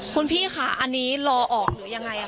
คุณพี่ค่ะอันนี้รอออกหรือยังง่าย่ะคะ